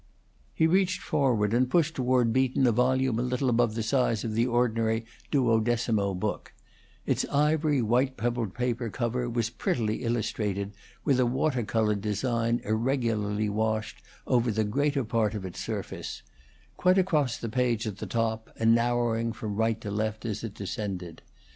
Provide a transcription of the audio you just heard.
He reached forward and pushed toward Beaton a volume a little above the size of the ordinary duodecimo book; its ivory white pebbled paper cover was prettily illustrated with a water colored design irregularly washed over the greater part of its surface: quite across the page at top, and narrowing from right to left as it descended.